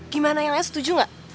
gimana yang lain setuju nggak